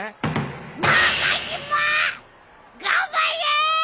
長嶋頑張れ！